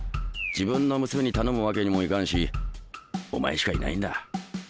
自分の娘に頼むわけにもいかんしお前しかいないんだ。